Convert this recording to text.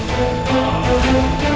rafa kan masih hidup